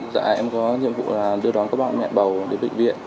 dạ em có nhiệm vụ là đưa đón các bạn mẹ bầu đến bệnh viện